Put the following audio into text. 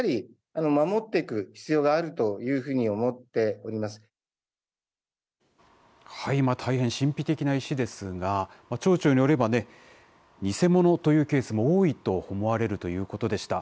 はい、まあ大変神秘的な石ですが町長によれば偽物というケースも多いと思われるということでした。